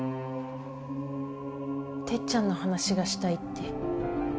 てっちゃんの話がしたいって。